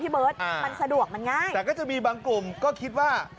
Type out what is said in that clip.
เบิร์ตมันสะดวกมันง่ายแต่ก็จะมีบางกลุ่มก็คิดว่า